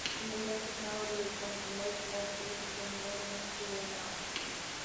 The municipality is one of the most remote places in the northern Jura mountains.